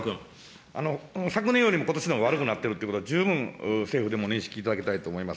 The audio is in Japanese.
昨年よりもことしのほうが悪くなっているということは、十分政府でも認識いただきたいと思います。